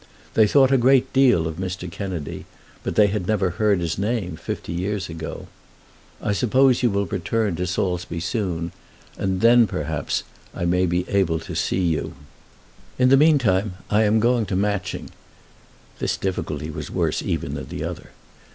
They thought a great deal of Mr. Kennedy, but they had never heard his name fifty years ago. I suppose you will return to Saulsby soon, and then, perhaps, I may be able to see you. In the meantime I am going to Matching. [This difficulty was worse even than the other.